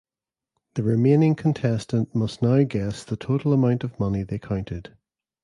The remaining contestant must now guess the total amount of money they counted.